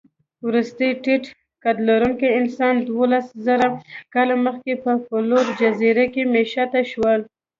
وروستي ټيټقدلرونکي انسانان دوولسزره کاله مخکې په فلور جزیره کې مېشته شول.